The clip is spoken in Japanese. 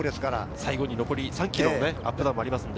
最後に残り３ｋｍのアップダウンもありますしね。